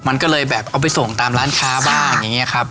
มันก็เลยแบบเอาไปส่งตามร้านค้าบ้างอย่างนี้ครับ